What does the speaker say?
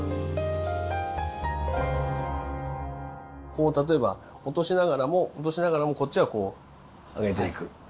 こう例えば落としながらも落としながらもこっちはこう上げていく。